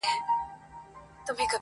یوه توره تاریکه ورښکارېدله!.